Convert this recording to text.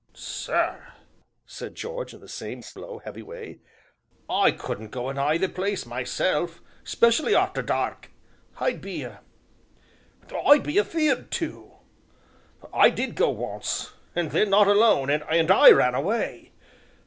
"Sir," said George, in the same slow, heavy way, "I couldn't go a nigh the place myself 'specially arter dark I'd be ah! I'd be afeard to! I did go once, and then not alone, and I ran away.